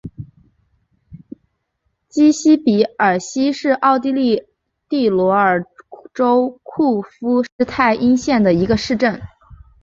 基希比希尔是奥地利蒂罗尔州库夫施泰因县的一个市镇。